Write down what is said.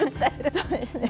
そうですね。